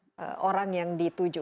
ke setiap orang yang dituju